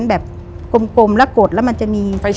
แบบกลมละกดแล้วมันจะมี